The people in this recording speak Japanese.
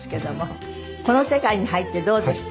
この世界に入ってどうでした？